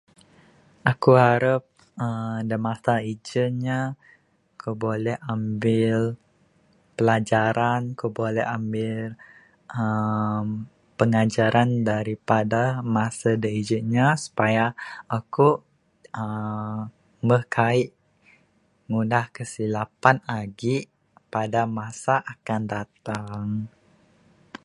Aku harap uhh dak masa ije nya aku boleh ambil pelajaran, ku boleh ambil uhh pengajaran daripada masa dak ijen nyah supaya aku uhh moh kai ngundah kesilapan agi pada masa akan datang.